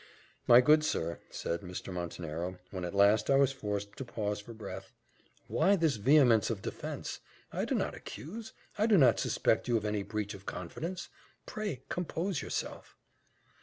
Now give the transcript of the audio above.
"My good sir," said Mr. Montenero, when at last I was forced to pause for breath, "why this vehemence of defence? I do not accuse I do not suspect you of any breach of confidence. Pray compose yourself."